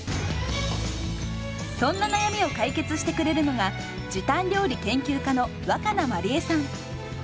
そんな悩みを解決してくれるのが時短料理研究家の若菜まりえさん。